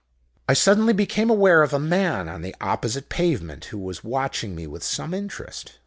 "I suddenly became aware of a man on the opposite pavement, who was watching me with some interest.